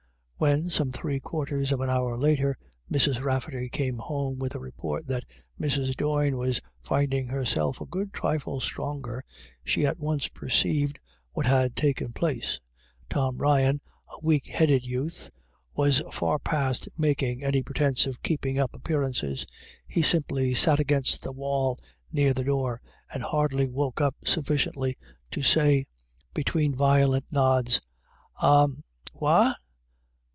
When, some three quarters of an hour later, Mrs. Rafferty came home with the report that Mrs. Doyne was finding herself a good trifle stronger, she at once perceived what had taken place. Tom Ryan, a weak headed youth, was far past making any pretence of keeping up appearances. He simply sat leaning against the wall near the door, and hardly woke up sufficiently to say, between violent nods, " Aw — whaw